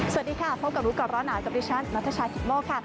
สวัสดีค่ะพบกับรู้ก่อนร้อนหนาวกับดิฉันนัทชายกิตโมกค่ะ